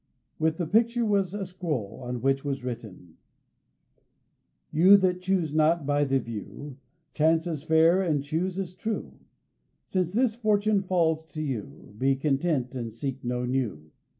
With the picture was a scroll, on which was written: "You that choose not by the view, Chance as fair and choose as true! Since this fortune falls to you, Be content and seek no new.